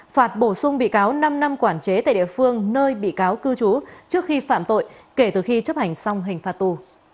phạt bổ sung bị cáo năm năm quản chế tại địa phương nơi bị cáo cư trú trước khi phạm tội kể từ khi chấp hành xong hình phạt tù